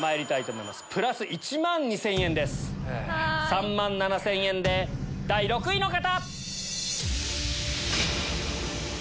３万７０００円で第６位の方！